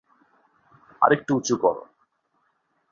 আরেকটু উঁচু করো।